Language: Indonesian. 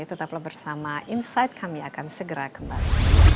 tetaplah bersama insight kami akan segera kembali